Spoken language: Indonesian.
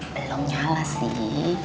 belum nyala sih